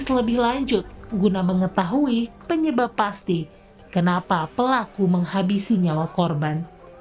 sifat lebih lanjut guna mengetahui penyebab pasti kenapa pelaku menghabisinya lokorban